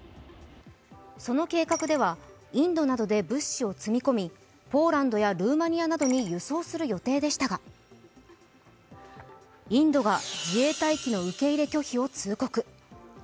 その計画では、インドなどで物資を積み込みポーランドやルーマニアなどに輸送する予定でしたがインドが自衛隊機の受け入れ拒否を通告。